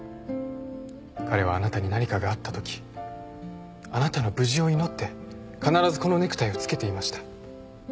彼はあなたに何かがあったときあなたの無事を祈って必ずこのネクタイを着けていました。